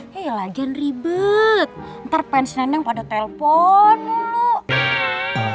eh ya lagian ribet ntar pensiunan yang pada telpon mulu